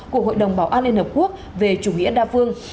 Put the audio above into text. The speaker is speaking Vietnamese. của hội đồng bảo an liên hợp quốc về chủ nghĩa đa phương